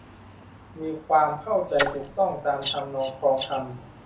มีความเข้าใจถูกต้องตามทำนองคลองธรรม